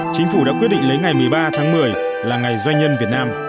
chính phủ đã quyết định lấy ngày một mươi ba tháng một mươi là ngày doanh nhân việt nam